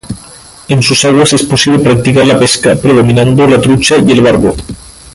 En sus aguas es posible practicar la pesca, predominando la trucha y el barbo.